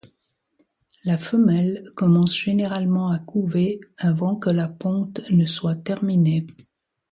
La femelle commence généralement à couver avant que la ponte ne soit terminée.